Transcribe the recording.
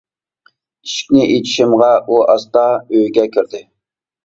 ئىشىكنى ئېچىشىمغا ئۇ ئاستا ئۆيگە كىردى.